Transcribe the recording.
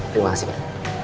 terima kasih pak